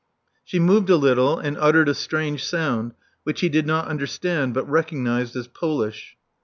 She moved a little, and uttered a strange sound, which he did not understand, but recognized as Polish.